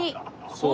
そう？